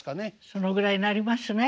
そのぐらいになりますね。